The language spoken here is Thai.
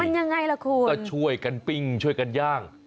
มันยังไงล่ะคุณก็ช่วยกันปิ้งช่วยกันย่าง